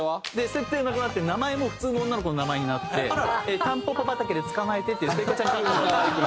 設定なくなって名前も普通の女の子の名前になって『たんぽぽ畑でつかまえて』っていう聖子ちゃんカットの。